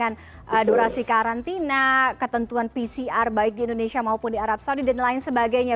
karena perkembangan durasi karantina ketentuan pcr baik di indonesia maupun di arab saudi dan lain sebagainya